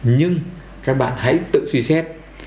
nhưng các bạn hãy tự suy xét